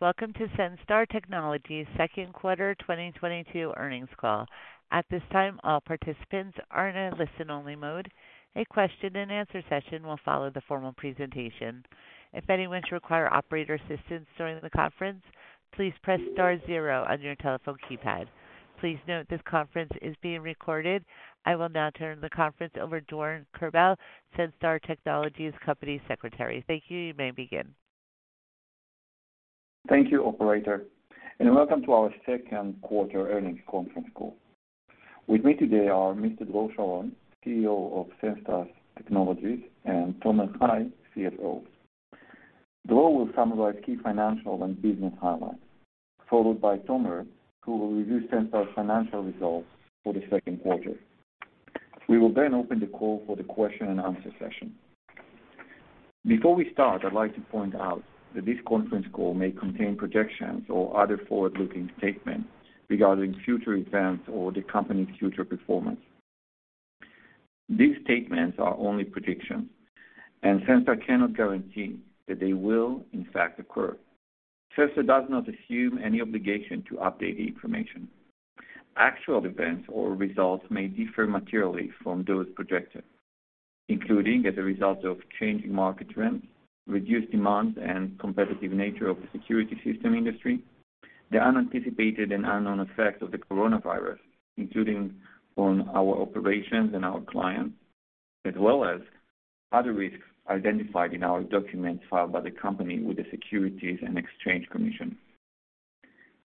Welcome to Senstar Technologies Second Quarter 2022 Earnings Call. At this time, all participants are in a listen-only mode. A question-and-answer session will follow the formal presentation. If anyone should require operator assistance during the conference, please press star zero on your telephone keypad. Please note this conference is being recorded. I will now turn the conference over to Doron Kerbel, Senstar Technologies Company Secretary. Thank you. You may begin. Thank you, operator, and welcome to our second quarter earnings conference call. With me today are Mr. Dror Sharon, CEO of Senstar Technologies, and Tomer Hay, CFO. Dror will summarize key financial and business highlights, followed by Tomer, who will review Senstar's financial results for the second quarter. We will then open the call for the question-and-answer session. Before we start, I'd like to point out that this conference call may contain projections or other forward-looking statements regarding future events or the company's future performance. These statements are only predictions, and Senstar cannot guarantee that they will in fact occur. Senstar does not assume any obligation to update the information. Actual events or results may differ materially from those projected, including as a result of changing market trends, reduced demand and competitive nature of the security system industry, the unanticipated and unknown effects of the coronavirus, including on our operations and our clients, as well as other risks identified in our documents filed by the company with the Securities and Exchange Commission.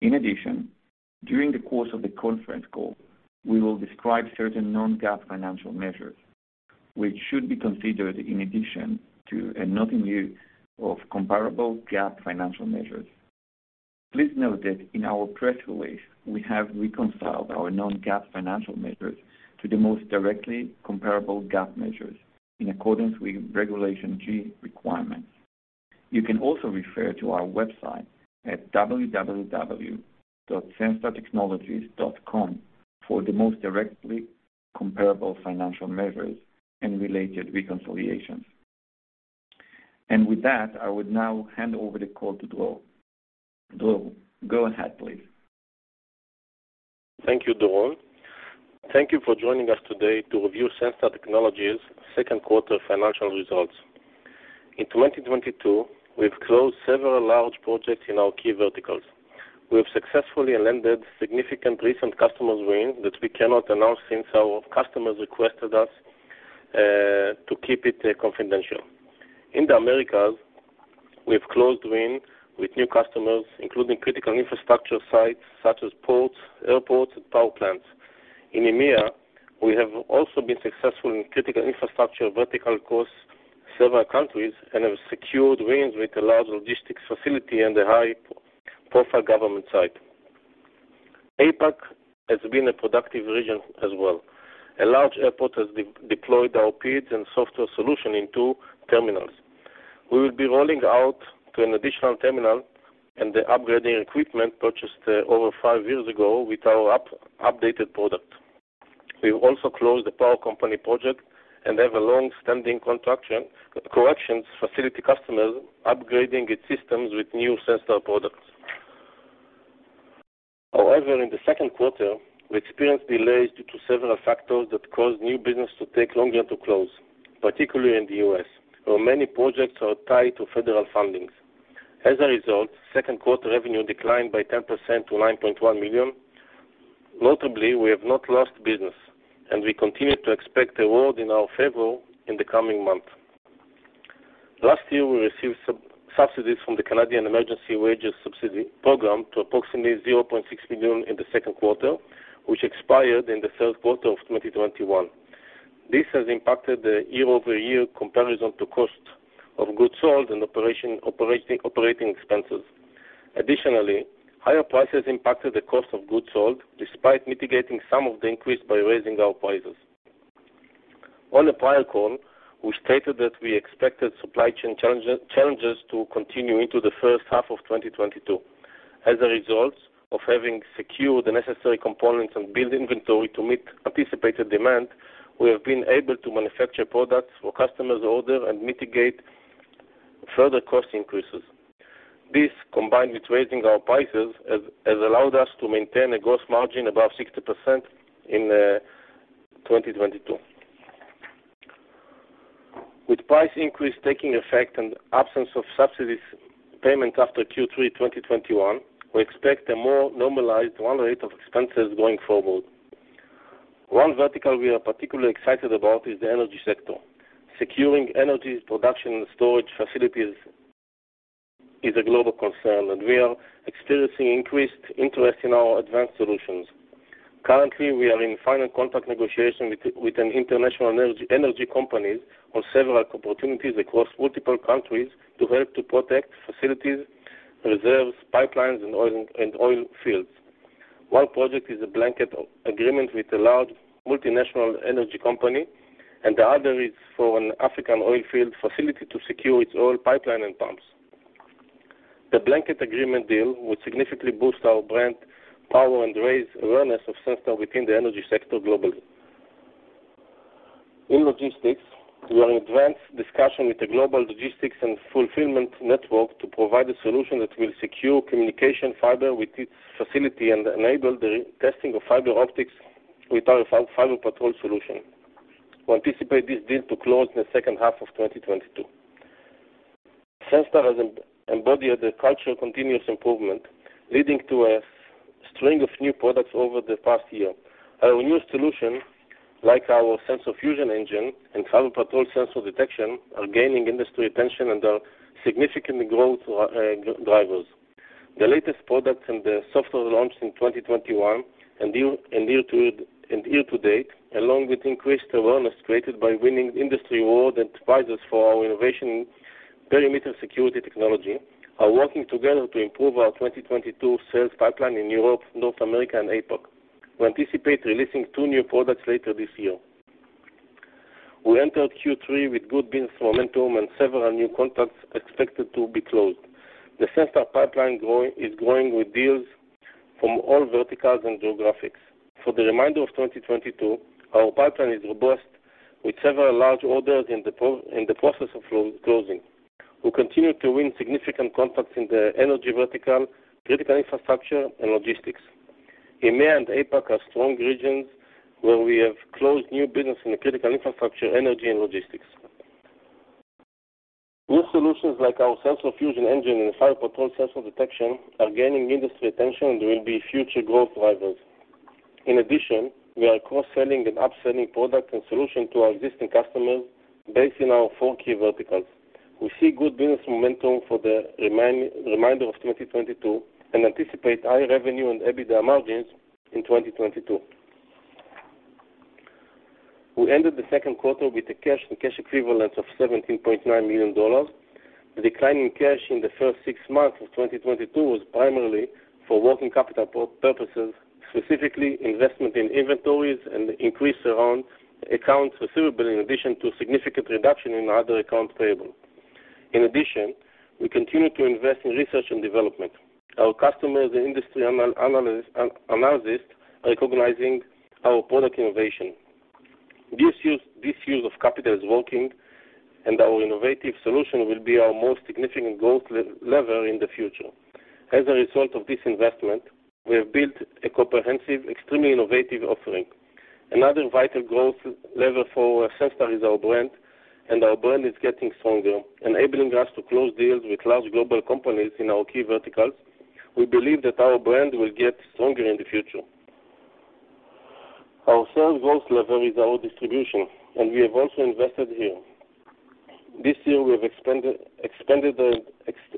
In addition, during the course of the conference call, we will describe certain non-GAAP financial measures which should be considered in addition to and not in lieu of comparable GAAP financial measures. Please note that in our press release, we have reconciled our non-GAAP financial measures to the most directly comparable GAAP measures in accordance with Regulation G requirements. You can also refer to our website at www.senstartechnologies.com for the most directly comparable financial measures and related reconciliations. With that, I would now hand over the call to Dror. Dror, go ahead please. Thank you, Doron. Thank you for joining us today to review Senstar Technologies second quarter financial results. In 2022, we've closed several large projects in our key verticals. We have successfully landed significant recent customers' wins that we cannot announce since our customers requested us to keep it confidential. In the Americas, we've closed wins with new customers, including critical infrastructure sites such as ports, airports, and power plants. In EMEA, we have also been successful in critical infrastructure vertical across several countries and have secured wins with a large logistics facility and a high-profile government site. APAC has been a productive region as well. A large airport has deployed our PD and software solution in two terminals. We will be rolling out to an additional terminal and upgrading equipment purchased over five years ago with our updated product. We've also closed the power company project and have a long-standing corrections facility customers upgrading its systems with new Senstar products. However, in the second quarter, we experienced delays due to several factors that caused new business to take longer to close, particularly in the U.S., where many projects are tied to federal funding. As a result, second quarter revenue declined by 10% to $9.1 million. Notably, we have not lost business, and we continue to expect an award in our favor in the coming months. Last year, we received subsidies from the Canada Emergency Wage Subsidy of approximately $0.6 million in the second quarter, which expired in the third quarter of 2021. This has impacted the year-over-year comparison of cost of goods sold and operating expenses. Additionally, higher prices impacted the cost of goods sold despite mitigating some of the increase by raising our prices. On the prior call, we stated that we expected supply chain challenges to continue into the first half of 2022. As a result of having secured the necessary components and build inventory to meet anticipated demand, we have been able to manufacture products for customers' order and mitigate further cost increases. This, combined with raising our prices, has allowed us to maintain a gross margin above 60% in 2022. With price increase taking effect and absence of subsidies payment after Q3 2021, we expect a more normalized run rate of expenses going forward. One vertical we are particularly excited about is the energy sector. Securing energy production and storage facilities is a global concern, and we are experiencing increased interest in our advanced solutions. Currently, we are in final contract negotiation with an international energy company on several opportunities across multiple countries to help protect facilities, reserves, pipelines, and oil fields. One project is a blanket agreement with a large multinational energy company, and the other is for an African oil field facility to secure its oil pipeline and pumps. The blanket agreement deal would significantly boost our brand power and raise awareness of Senstar within the energy sector globally. In logistics, we are in advanced discussion with the global logistics and fulfillment network to provide a solution that will secure communication fiber with its facility and enable the testing of fiber optics with our FiberPatrol solution. We anticipate this deal to close in the second half of 2022. Senstar has embodied the culture of continuous improvement, leading to a string of new products over the past year. Our new solution, like our Senstar Sensor Fusion Engine and FiberPatrol sensor detection, are gaining industry attention and are significant growth drivers. The latest products and the software launched in 2021, due to year-to-date, along with increased awareness created by winning industry awards and prizes for our innovation in perimeter security technology, are working together to improve our 2022 sales pipeline in Europe, North America, and APAC. We anticipate releasing two new products later this year. We entered Q3 with good business momentum and several new contracts expected to be closed. The Senstar pipeline is growing with deals from all verticals and geographies. For the remainder of 2022, our pipeline is robust, with several large orders in the process of closing. We continue to win significant contracts in the energy vertical, critical infrastructure, and logistics. EMEA and APAC are strong regions where we have closed new business in the critical infrastructure, energy, and logistics. New solutions like our Senstar Sensor Fusion Engine and FiberPatrol sensor detection are gaining industry attention and will be future growth drivers. In addition, we are cross-selling and upselling products and solutions to our existing customers based in our four key verticals. We see good business momentum for the remainder of 2022 and anticipate high revenue and EBITDA margins in 2022. We ended the second quarter with cash and cash equivalents of $17.9 million. The decline in cash in the first six months of 2022 was primarily for working capital purposes, specifically investment in inventories and increase in accounts receivable, in addition to significant reduction in other accounts payable. In addition, we continue to invest in research and development. Our customers and industry analysis are recognizing our product innovation. This use of capital is working, and our innovative solution will be our most significant growth level in the future. As a result of this investment, we have built a comprehensive, extremely innovative offering. Another vital growth level for Senstar is our brand, and our brand is getting stronger, enabling us to close deals with large global companies in our key verticals. We believe that our brand will get stronger in the future. Our sales growth level is our distribution, and we have also invested here. This year we have expanded and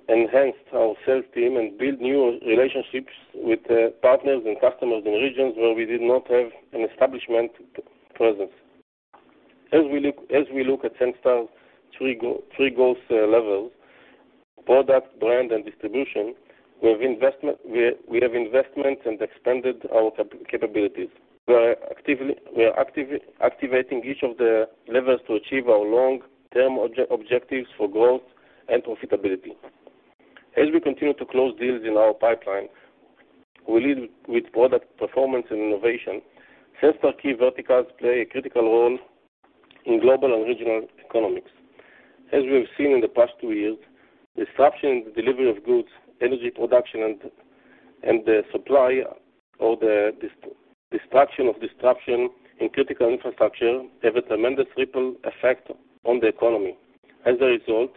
enhanced our sales team and built new relationships with partners and customers in regions where we did not have an established presence. As we look at Senstar's three growth levels, product, brand, and distribution, we have investments and expanded our capabilities. We are activating each of the levels to achieve our long-term objectives for growth and profitability. As we continue to close deals in our pipeline, we lead with product performance and innovation. Senstar key verticals play a critical role in global and regional economics. As we have seen in the past two years, disruption in the delivery of goods, energy production, and the supply, or the destruction or disruption in critical infrastructure have a tremendous ripple effect on the economy. As a result,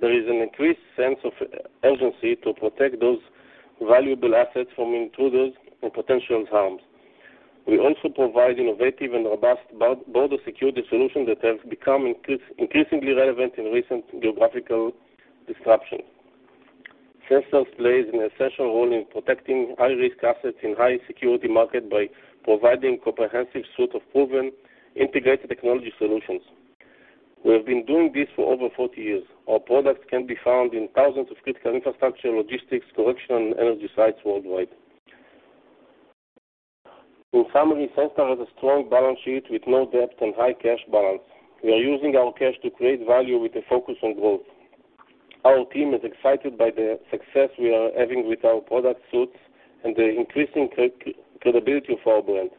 there is an increased sense of urgency to protect those valuable assets from intruders and potential harms. We also provide innovative and robust border security solutions that have become increasingly relevant in recent geographical disruptions. Senstar plays an essential role in protecting high-risk assets in high-security market by providing comprehensive suite of proven integrated technology solutions. We have been doing this for over 40 years. Our products can be found in thousands of critical infrastructure, logistics, correction, and energy sites worldwide. In summary, Senstar has a strong balance sheet with no debt and high cash balance. We are using our cash to create value with a focus on growth. Our team is excited by the success we are having with our product suites and the increasing credibility of our brand.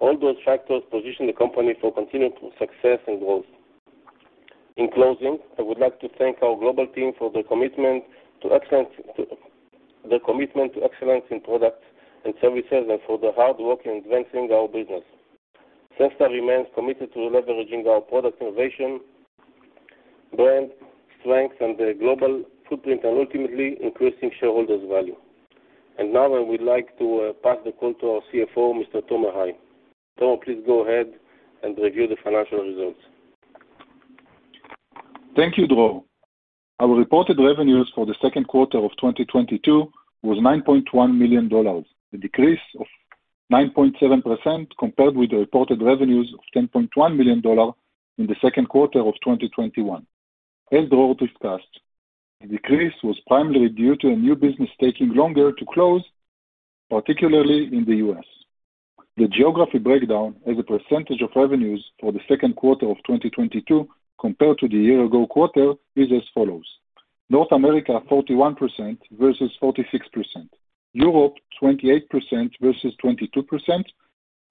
All those factors position the company for continued success and growth. In closing, I would like to thank our global team for their commitment to excellence, the commitment to excellence in product and services, and for the hard work in advancing our business. Senstar remains committed to leveraging our product innovation, brand strength, and the global footprint, and ultimately, increasing shareholders' value. Now, I would like to pass the call to our CFO, Mr. Tomer Hay. Tomer, please go ahead and review the financial results. Thank you, Dror. Our reported revenues for the second quarter of 2022 was $9.1 million, a decrease of 9.7% compared with the reported revenues of $10.1 million in the second quarter of 2021. As Dror discussed, the decrease was primarily due to a new business taking longer to close, particularly in the U.S. The geography breakdown as a percentage of revenues for the second quarter of 2022 compared to the year-ago quarter is as follows. North America 41% versus 46%. Europe, 28% versus 22%.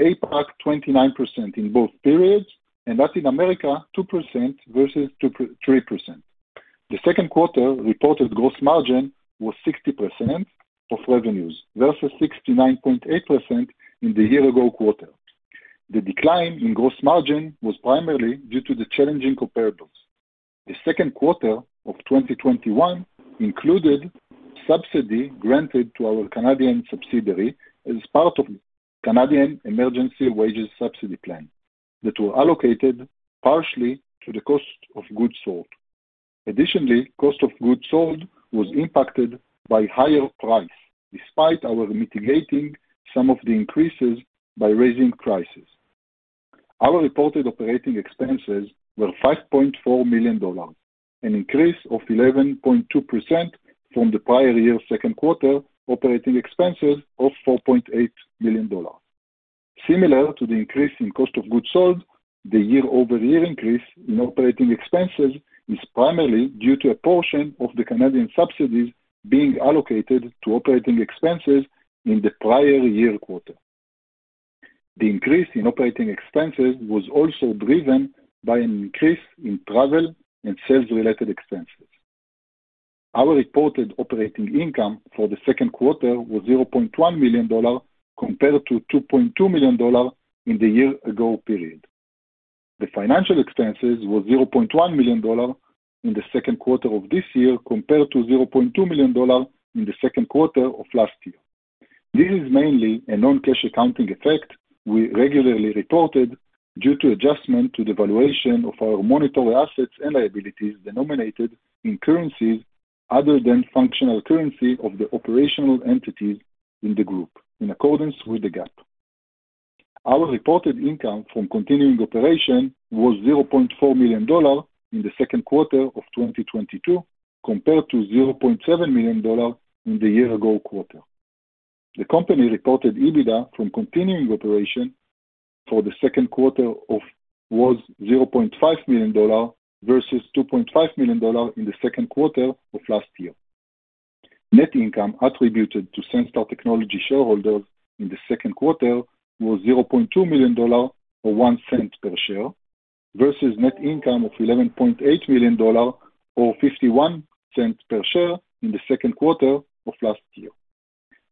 APAC, 29% in both periods. Latin America, 2% versus 3%. The second quarter reported gross margin was 60% of revenues versus 69.8% in the year-ago quarter. The decline in gross margin was primarily due to the challenging comparables. The second quarter of 2021 included subsidies granted to our Canadian subsidiary as part of the Canada Emergency Wage Subsidy that were allocated partially to the cost of goods sold. Additionally, cost of goods sold was impacted by higher prices, despite our mitigating some of the increases by raising prices. Our reported operating expenses were $5.4 million, an increase of 11.2% from the prior year second quarter operating expenses of $4.8 million. Similar to the increase in cost of goods sold, the year-over-year increase in operating expenses is primarily due to a portion of the Canadian subsidies being allocated to operating expenses in the prior year quarter. The increase in operating expenses was also driven by an increase in travel and sales-related expenses. Our reported operating income for the second quarter was $0.1 million compared to $2.2 million in the year ago period. The financial expenses were $0.1 million in the second quarter of this year, compared to $0.2 million in the second quarter of last year. This is mainly a non-cash accounting effect we regularly reported due to adjustment to the valuation of our monetary assets and liabilities denominated in currencies other than functional currency of the operational entities in the group, in accordance with GAAP. Our reported income from continuing operation was $0.4 million in the second quarter of 2022, compared to $0.7 million in the year ago quarter. The company reported EBITDA from continuing operation for the second quarter of was $0.5 million versus $2.5 million in the second quarter of last year. Net income attributable to Senstar Technologies shareholders in the second quarter was $0.2 million or $0.01 per share, versus net income of $11.8 million or $0.51 per share in the second quarter of last year.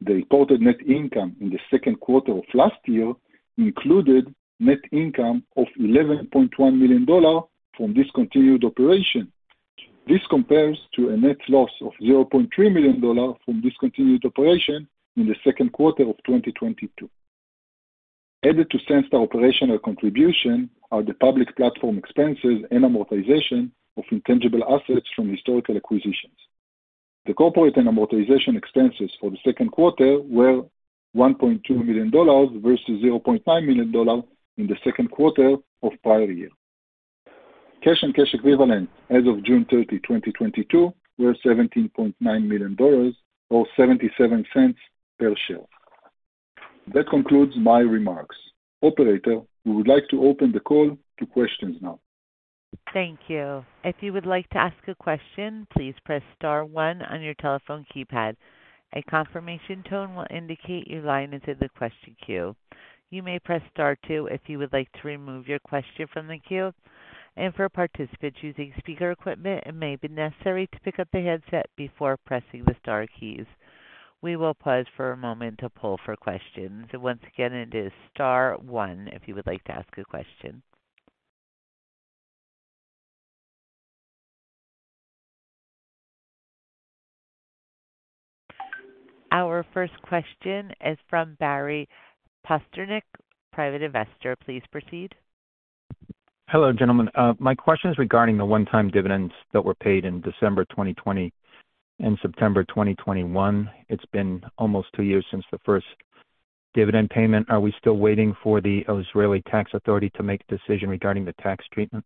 The reported net income in the second quarter of last year included net income of $11.1 million from discontinued operations. This compares to a net loss of $0.3 million from discontinued operations in the second quarter of 2022. Added to Senstar operational contribution are the public platform expenses and amortization of intangible assets from historical acquisitions. The corporate and amortization expenses for the second quarter were $1.2 million versus $0.9 million in the second quarter of prior year. Cash and cash equivalents as of June 30, 2022 were $17.9 million or $0.77 per share. That concludes my remarks. Operator, we would like to open the call to questions now. Thank you. If you would like to ask a question, please press star one on your telephone keypad. A confirmation tone will indicate your line is in the question queue. You may press star two if you would like to remove your question from the queue. For participants using speaker equipment, it may be necessary to pick up a headset before pressing the star keys. We will pause for a moment to pull for questions. Once again, it is star one if you would like to ask a question. Our first question is from Barry Pasternack, Private Investor. Please proceed. Hello, gentlemen. My question is regarding the one-time dividends that were paid in December 2020 and September 2021. It's been almost two years since the first dividend payment. Are we still waiting for the Israeli tax authority to make a decision regarding the tax treatment?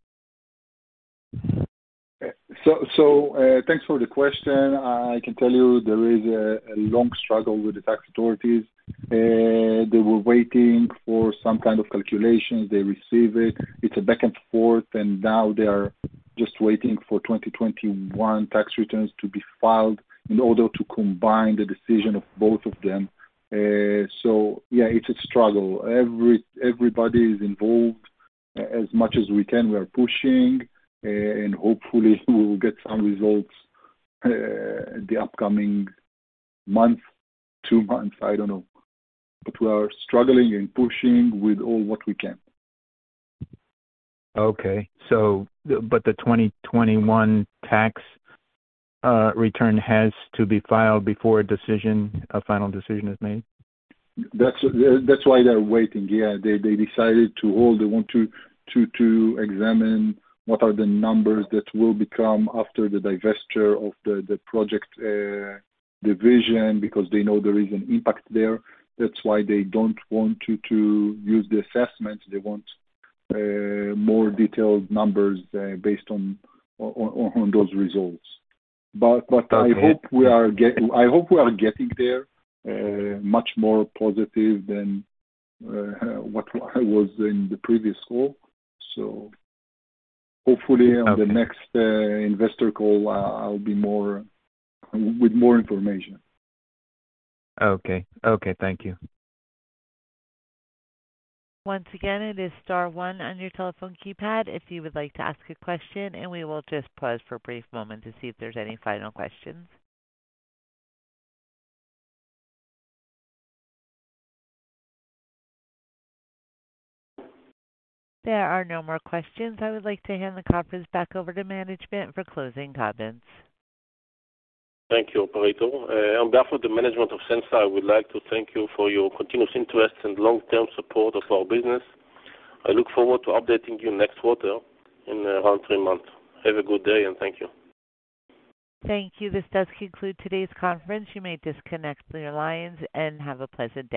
Thanks for the question. I can tell you there is a long struggle with the tax authorities. They were waiting for some kind of calculations, they receive it. It's a back and forth, and now they are just waiting for 2021 tax returns to be filed in order to combine the decision of both of them. Yeah, it's a struggle. Everybody is involved. As much as we can, we are pushing, and hopefully we will get some results, the upcoming month, two months, I don't know. We are struggling and pushing with all what we can. The 2021 tax return has to be filed before a decision, a final decision is made? That's why they're waiting. They decided to hold. They want to examine what are the numbers that will become after the divestiture of the project division, because they know there is an impact there. That's why they don't want to use the assessment. They want more detailed numbers based on those results. I hope we are getting there much more positive than what I was in the previous call. Hopefully on the next investor call, I'll be more with more information. Okay, thank you. Once again, it is star one on your telephone keypad if you would like to ask a question, and we will just pause for a brief moment to see if there's any final questions. There are no more questions. I would like to hand the conference back over to management for closing comments. Thank you, operator. On behalf of the management of Senstar, I would like to thank you for your continuous interest and long-term support of our business. I look forward to updating you next quarter in around three months. Have a good day, and thank you. Thank you. This does conclude today's conference. You may disconnect your lines, and have a pleasant day.